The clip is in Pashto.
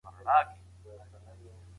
چېري د ذهني تمریناتو لپاره مناسب ځای دی؟